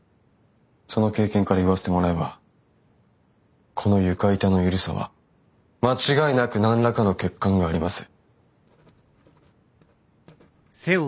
その経験から言わせてもらえばこの床板の緩さは間違いなく何らかの欠陥があります。